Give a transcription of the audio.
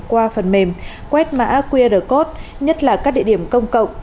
qua phần mềm quét mã qr code nhất là các địa điểm công cộng